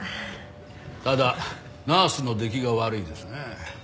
ただナースの出来が悪いですね。